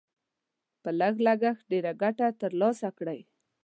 په لږ لګښت ډېره ګټه تر لاسه کړئ.